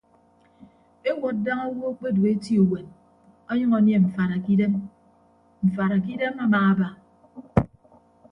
Ewọd daña owo akpedu eti uwem ọnyʌñ anie mfaada kidem mfaada kidem amaaba.